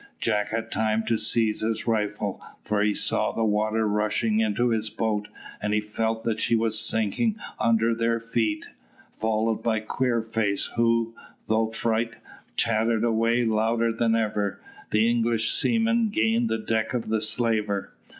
Jack had time to seize his rifle, for he saw the water rushing into his boat, and he felt that she was sinking under their feet. Followed by Queerface, who, through fright, chattered away louder than ever, the English seamen gained the deck of the slaver.